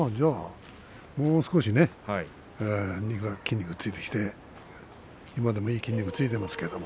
もう少し筋肉がついてきて今でもいい筋肉がついていますが。